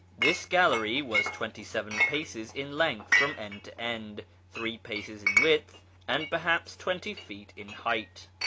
This gallery was twenty seven paces in length from end to end, three paces in width, and perhaps twenty feet in height.